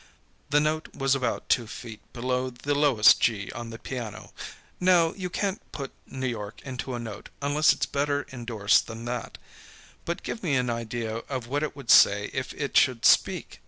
The note was about two feet below the lowest G on the piano. Now, you can't put New York into a note unless it's better indorsed than that. But give me an idea of what it would say if it should speak.